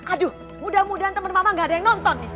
aduh mudah mudahan temen mama gak ada yang nonton